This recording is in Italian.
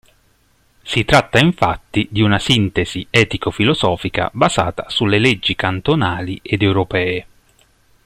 Si tratta infatti di una sintesi etico-filosofica basata sulle leggi cantonali ed europee.